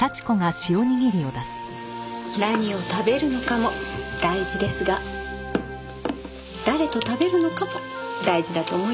何を食べるのかも大事ですが誰と食べるのかも大事だと思いますよ。